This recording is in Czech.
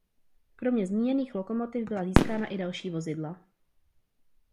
Kromě zmíněných lokomotiv byla získána i další vozidla.